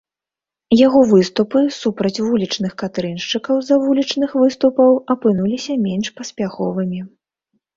Яго выступы супраць вулічных катрыншчыкаў з-за вулічных выступаў апынуліся менш паспяховымі.